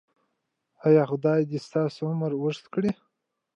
ایا خدای دې ستاسو عمر اوږد کړي؟